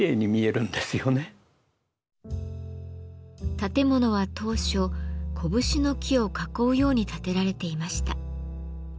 建物は当初コブシの木を囲うように建てられていました。